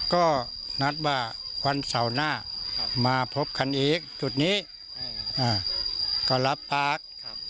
ก็นัดว่าวันเสาร์หน้ามาพบกันอีกจุดนี้ก็รับปาก